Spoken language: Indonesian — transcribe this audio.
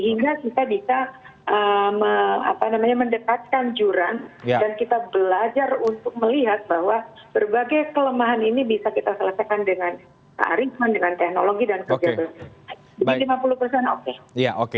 sehingga kita bisa mendekatkan jurang dan kita belajar untuk melihat bahwa berbagai kelemahan ini bisa kita selesaikan dengan teknologi dan berjaya berjaya